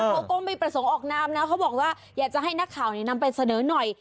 เขาก็ไม่ประสงค์ออกนามนะเขาบอกว่าอยากจะให้นักข่าวนำไปเสนอหน่อย